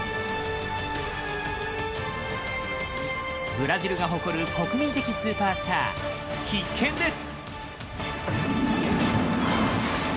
ブラジルが誇る国民的スーパースター必見です！